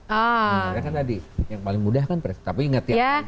yang paling mudah kan tapi ingat ya